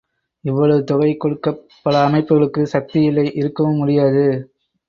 இவ்வளவு தொகை கொடுக்கப் பல அமைப்புகளுக்கு சக்தியில்லை இருக்கவும் முடியாது.